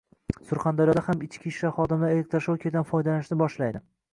Surxondaryoda ham ichki ishlar xodimlari elektroshokerdan foydalanishni boshlaydi